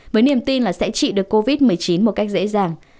với niềm tin là sẽ trị được covid một mươi chín một cách dễ dàng